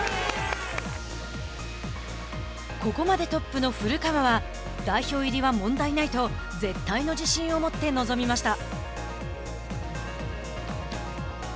ここまでトップの古川は代表入りは問題ないと絶対の自信を持って臨みました。